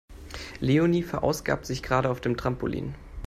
Leonie verausgabt sich gerade auf dem Trampolin.